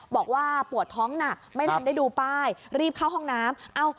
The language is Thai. บอกว่าปวดท้องหนักไม่ทันได้ดูป้ายรีบเข้าห้องน้ำ